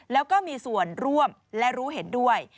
แล้วก็มีส่วนร่วมและรู้เห็นด้วย